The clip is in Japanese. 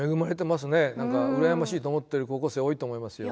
羨ましいと思ってる高校生多いと思いますよ。